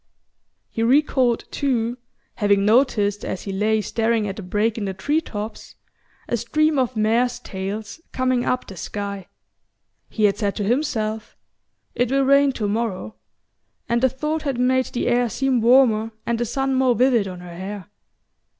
He recalled, too, having noticed, as he lay staring at a break in the tree tops, a stream of mares' tails coming up the sky. He had said to himself: "It will rain to morrow," and the thought had made the air seem warmer and the sun more vivid on her hair...